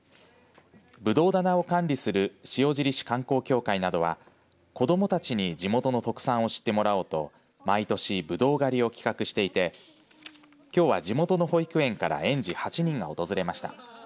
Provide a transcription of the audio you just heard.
ブドウ棚を管理する塩尻市観光協会などは子どもたちに地元の特産を知ってもらおうと毎年ブドウ狩りを企画していてきょうは地元の保育園から園児８人が訪れました。